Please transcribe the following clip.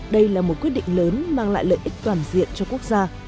đây là một quyết định lớn mang lại lợi ích toàn diện cho quốc gia